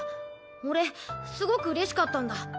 俺すごくうれしかったんだ。